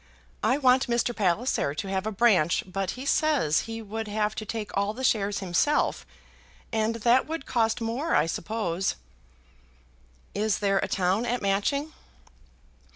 I want Mr. Palliser to have a branch, but he says he would have to take all the shares himself, and that would cost more, I suppose." "Is there a town at Matching?"